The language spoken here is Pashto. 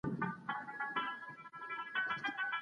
د نورو ضرر د خپلي ګټې لپاره مه غواړئ.